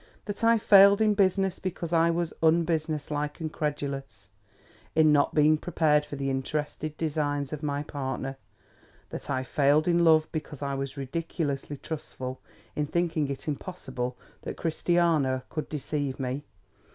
That I failed in business because I was unbusiness like and credulous—in not being prepared for the interested designs of my partner. That I failed in love, because I was ridiculously trustful—in thinking it impossible that Christiana could deceive me.